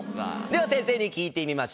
では先生に聞いてみましょう。